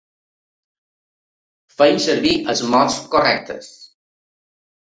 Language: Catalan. Fem servir els mots correctes.